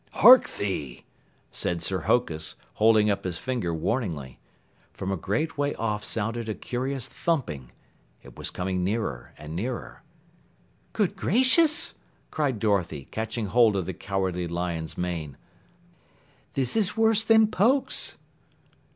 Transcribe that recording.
"Hark thee!" said Sir Hokus, holding up his finger warningly. From a great way off sounded a curious thumping. It was coming nearer and nearer. "Good gracious!" cried Dorothy, catching hold of the Cowardly Lion's mane. "This is worse than Pokes!"